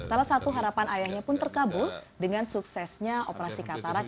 salah satu harapan ayahnya pun terkabul dengan suksesnya operasi katarak